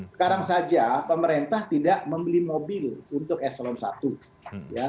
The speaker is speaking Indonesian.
sekarang saja pemerintah tidak membeli mobil untuk eselon i